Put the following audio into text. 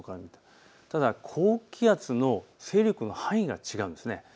ただ高気圧の勢力の範囲が違うんです。